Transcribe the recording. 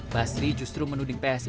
basri justru menuding psi